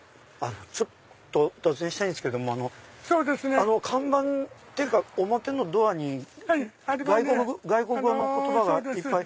ちょっとお尋ねしたいんですけどもあの看板っていうか表のドアに外国の言葉がいっぱい。